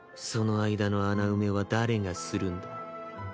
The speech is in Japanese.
その間の穴埋めは誰がするんだ？